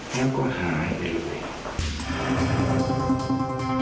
แล้วก็หายไปเลย